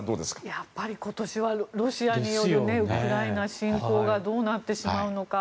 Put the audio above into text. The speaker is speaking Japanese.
やっぱり今年はロシアによるウクライナ侵攻がどうなってしまうのか。